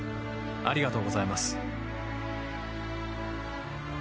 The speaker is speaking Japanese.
ありがとうございます」。